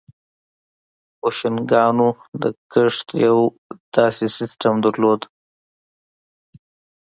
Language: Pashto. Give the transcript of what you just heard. بوشنګانو د کښت یو داسې سیستم درلود